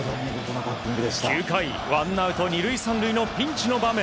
９回ワンアウト２塁３塁のピンチの場面。